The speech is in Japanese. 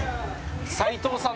齋藤さん